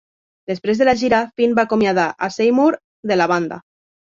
Després de la gira, Finn va acomiadar a Seymour de la banda.